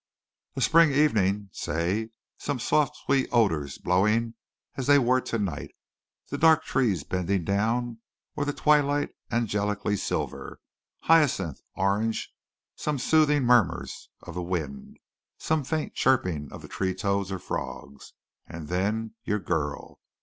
A spring evening, say, some soft sweet odours blowing as they were tonight, the dark trees bending down, or the twilight angelically silver, hyacinth, orange, some soothing murmurs of the wind; some faint chirping of the tree toads or frogs and then your girl.